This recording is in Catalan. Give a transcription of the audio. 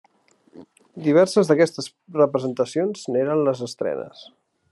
Diverses d'aquestes representacions n'eren les estrenes.